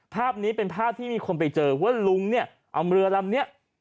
ภาพนี้เป็นภาพที่มีคนไปเจอว่าลุงเนี่ยเอาเรือลำนี้